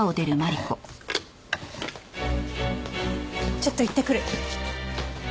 ちょっと行ってくる。